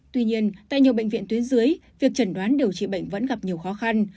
tuy nhiên tại nhiều bệnh viện tuyến dưới việc chẩn đoán điều trị bệnh vẫn gặp nhiều khó khăn